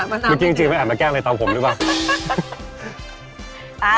เมื่อกี้จริงไม่อาจมาแกล้งอะไรตามผมหรือเปล่า